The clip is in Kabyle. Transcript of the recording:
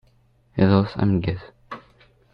Iḍeṣ ameggaz!